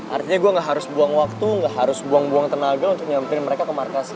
artinya gua ga harus buang waktu ga harus buang buang tenaga untuk nyamperin mereka ke markasnya